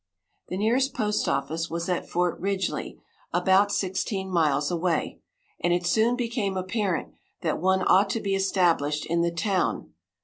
The nearest postoffice was at Fort Ridgely, about sixteen miles away, and it soon became apparent that one ought to be established in the town.